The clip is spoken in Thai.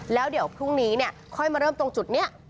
แล้วเดี๋ยวพรุ่งนี้ค่อยมาเริ่มตรงจุดนี้